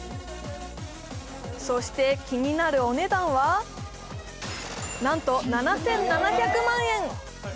そして、気になるお値段は、なんと７７００万円！